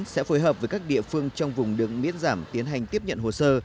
sẽ phối hợp với các địa phương trong vùng được miễn giảm tiến hành tiếp nhận hồ sơ